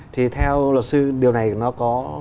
thì theo lột sư điều này nó có